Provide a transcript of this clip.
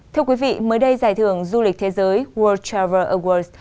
thưa quý vị mới đây giải thưởng du lịch thế giới world travel awards